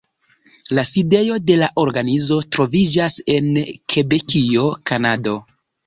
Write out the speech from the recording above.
La sidejo de la organizo troviĝas en Kebekio, Kanado.